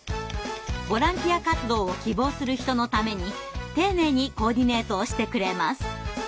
ボランティア活動を希望する人のために丁寧にコーディネートをしてくれます。